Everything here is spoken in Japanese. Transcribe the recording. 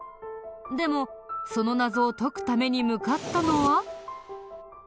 でもその謎を解くために向かったのは。